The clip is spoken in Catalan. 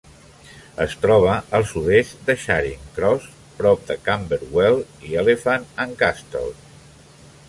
Es troba al sud-est de Charing Cross, prop de Camberwell i Elephant and Castle.